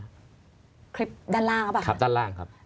คลิปด้านล่างหรือเปล่าครับด้านล่างครับ